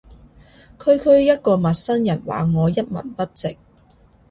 區區一個陌生人話我一文不值